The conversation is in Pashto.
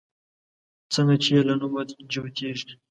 څنگه چې يې له نومه جوتېږي